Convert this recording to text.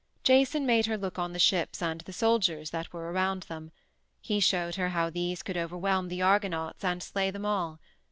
Jason made her look on the ships and the soldiers that were around them; he showed her how these could overwhelm the Argonauts and slay them all.